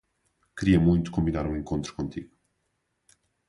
Queria muito combinar um encontro contigo.